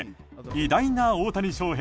「偉大な大谷翔平」